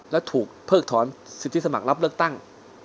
และถูกเพิกถอนสิทธิสมัครรับเลือกตั้ง